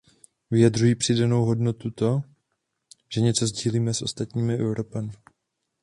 Vyjadřují přidanou hodnotu, to, že něco sdílíme s ostatními Evropany.